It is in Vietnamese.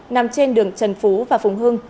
nằm trên đường trần phú và phùng hưng